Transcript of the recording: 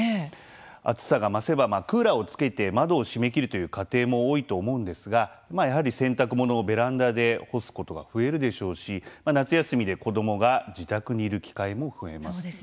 暑さが増せばクーラーをつけて窓を閉め切るという家庭も多いと思うんですがやはり、洗濯物をベランダで干すことが増えるでしょうし夏休みで子どもが自宅にいる機会も増えます。